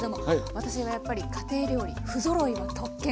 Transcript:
私はやっぱり「家庭料理不ぞろいは特権」